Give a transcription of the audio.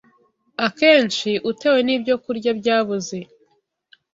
akenshi utewe n’ibyokurya byaboze